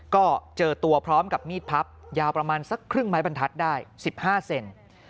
ก็เจอตัวพร้อมกับมีดพับยาวประมาณสักครึ่งไม้บรรทัศน์ได้๑๕เซน